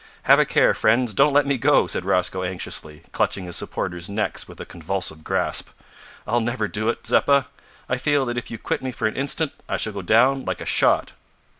"Have a care, friends; don't let me go," said Rosco anxiously, clutching his supporters' necks with a convulsive grasp. "I'll never do it, Zeppa. I feel that if you quit me for an instant, I shall go down like a shot."